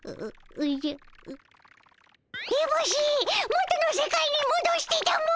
元の世界にもどしてたも！